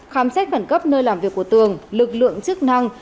khám xét khẩn cấp nơi làm việc của tường lực lượng chức năng